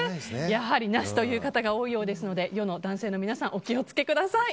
やはりなしという方が多いようですので世の男性の皆さんお気を付けください。